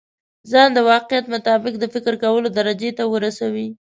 ځان د واقعيت مطابق د فکر کولو درجې ته ورسوي.